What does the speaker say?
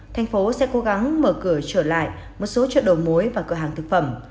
thành phố sẽ cố gắng mở cửa trở lại một số chợ đầu mối và cửa hàng thực phẩm